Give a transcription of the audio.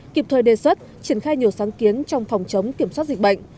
kịp thời đề xuất triển khai nhiều sáng kiến trong phòng chống kiểm soát dịch bệnh